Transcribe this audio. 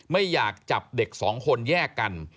ไม่อยากจับเด็กสองคนแยกกัน